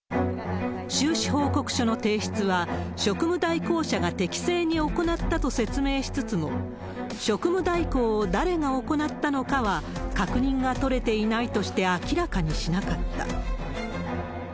収支報告書の提出は、職務代行者が適正に行ったと説明しつつも、職務代行を誰が行ったのかは、確認が取れていないとして明らかにしなかった。